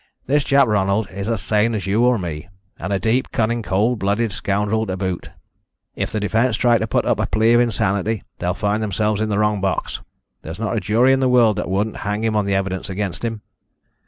This chap Ronald is as sane as you or me, and a deep, cunning cold blooded scoundrel to boot. If the defence try to put up a plea of insanity they'll find themselves in the wrong box. There's not a jury in the world that wouldn't hang him on the evidence against him."